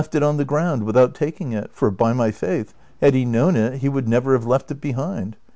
it on the ground without taking it, for, by my faith, had he known it he woukl never have left it behind.